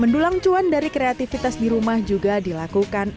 mendulang cuan dari kreativitas di rumah juga dilakukan